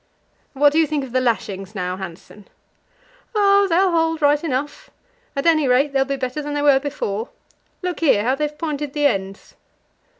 "What do you think of the lashings now, Hanssen?" "Oh, they'll hold right enough; at any rate, they'll be better than they were before. Look here, how they've pointed the ends!"